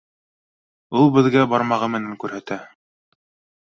— Ул беҙгә бармағы менән күрһәтә.